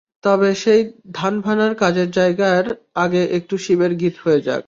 তবে সেই ধান ভানার কাজে যাওয়ার আগে একটু শিবের গীত হয়ে যাক।